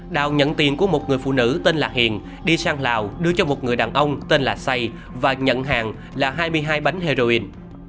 đào nhận tiền của một người phụ nữ tên là hiền đi sang lào đưa cho một người đàn ông tên là say và nhận hàng là hai mươi hai bánh heroin